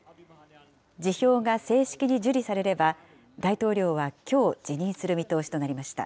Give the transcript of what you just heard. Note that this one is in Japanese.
辞表が正式に受理されれば、大統領はきょう、辞任する見通しとなりました。